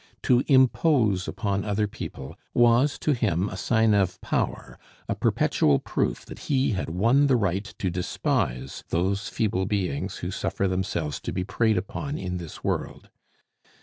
To impose upon other people was to him a sign of power, a perpetual proof that he had won the right to despise those feeble beings who suffer themselves to be preyed upon in this world.